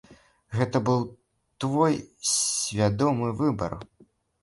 Гэта быў твой свядомы выбар?